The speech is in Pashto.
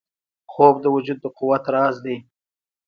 خوب د وجود د قوت راز دی